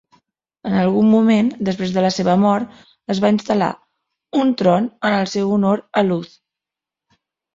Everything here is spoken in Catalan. En algun moment, després de la seva mort, es va instal·lar un tron en el seu honor a Louth.